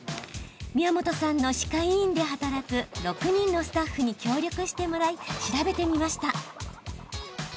宮本さんの歯科医院で働く６人のスタッフに協力してもらい調べてみました。